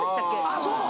あっそう！